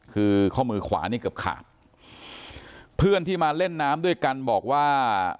คือข้อมือขวานี่เกือบขาดเพื่อนที่มาเล่นน้ำด้วยกันบอกว่า